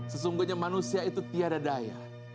sesungguhnya manusia itu tiada daya